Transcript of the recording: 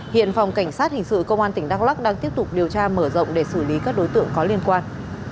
hiện phòng cảnh sát hình sự công an tỉnh đắk lắc đang tiếp tục điều tra mở rộng để xử lý các đối tượng có liên quan